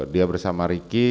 dia bersama ricky